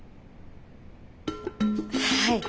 はい。